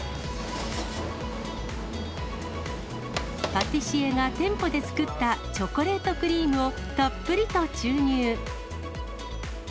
パティシエが店舗で作ったチョコレートクリームをたっぷりと注入。